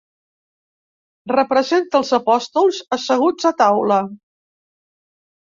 Representa els apòstols asseguts a taula.